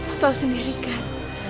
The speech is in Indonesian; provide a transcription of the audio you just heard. kau tahu sendiri kan